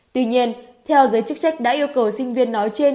tuy nhiên theo giới chức trách đã yêu cầu sinh viên nói trên